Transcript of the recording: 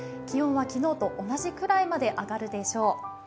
気温は昨日と同じくらいまで上がるでしょう。